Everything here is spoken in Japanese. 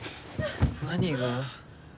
何が？